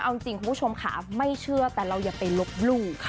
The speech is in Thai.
เอาจริงคุณผู้ชมค่ะไม่เชื่อแต่เราอย่าไปลบหลู่ค่ะ